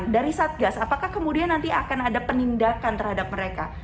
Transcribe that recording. dari satgas apakah kemudian nanti akan ada penindakan terhadap mereka